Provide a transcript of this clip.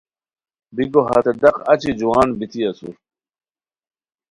بیکو ہتے ڈاق اچی جوان بیتی اسور